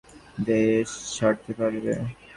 শুধুমাত্র গুরুতর অসুস্থ ব্যক্তিরাই দেশ ছাড়তে পারবে।